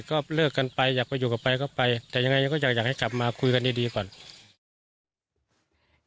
ก็เลิกกันไปอยากไปอยู่กับไปก็ไปแต่ยังไงก็อยากให้กลับมาคุยกันดีก่อน